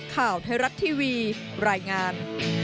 ข่าวไทยรัฐทีวีรายงาน